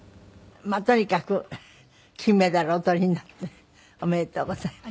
とにかく金メダルをお取りになっておめでとうございました。